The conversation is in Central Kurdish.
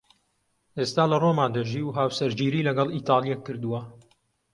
ئێستا لە ڕۆما دەژی و هاوسەرگیریی لەگەڵ ئیتاڵییەک کردووە.